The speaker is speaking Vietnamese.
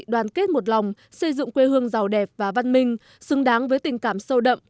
đoàn kết một lòng xây dựng quê hương giàu đẹp và văn minh xứng đáng với tình cảm sâu đậm